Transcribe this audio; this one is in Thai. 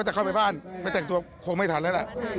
แต่เข้าไปบ้านไปแต่งตัวคงไม่ทันแล้วล่ะ